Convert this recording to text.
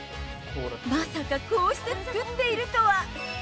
まさかこうして作っているとは。